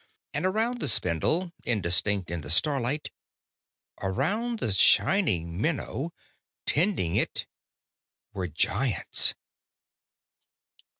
And around the spindle, indistinct in the starlight.... ... Around the shining minnow, tending it, were Giants.